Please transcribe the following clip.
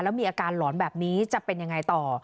แล้วมีอาการหลอนแบบนี้จะเป็นยังไงต่อ